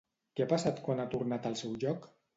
Què ha passat quan ha tornat al seu lloc?